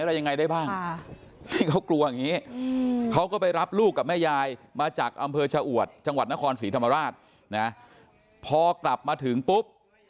รู้ว่านี้เขาก็ไปรับลูกกับแม่ยายมาจากอำเภอเฉอววดจังหวัดนครศรีธรรมราชพอกลับมาถึงปุ๊บ